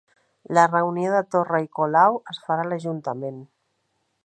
La reunió de Torra i Colau es farà a l'ajuntament